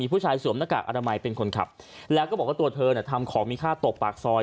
ผู้ชายสวมหน้ากากอนามัยเป็นคนขับแล้วก็บอกว่าตัวเธอเนี่ยทำของมีค่าตกปากซอย